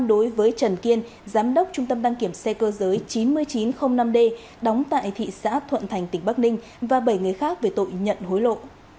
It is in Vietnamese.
đối với trần kiên giám đốc trung tâm đăng kiểm xe cơ giới chín nghìn chín trăm linh năm d đóng tại thị xã thuận thành tỉnh bắc ninh và bảy người khác về tội nhận hối lộ